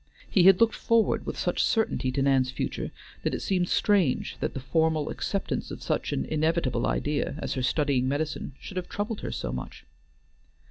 He had looked forward with such certainty to Nan's future, that it seemed strange that the formal acceptance of such an inevitable idea as her studying medicine should have troubled her so much.